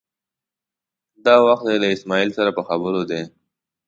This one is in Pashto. دا وخت دی له اسمعیل سره په خبرو دی.